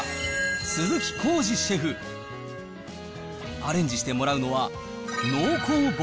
アレンジしてもらうのは。